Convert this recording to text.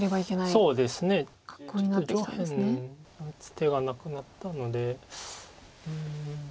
そうですねちょっと上辺打つ手がなくなったので。